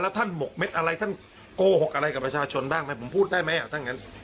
ท่านหมกเม็ดอะไรท่านโกหกอะไรกับประชาชนบ้างไหมผมพูดได้ไหมถ้างั้น